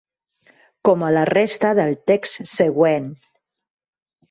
Com a la resta del text següent.